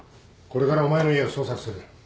これからお前の家を捜索する。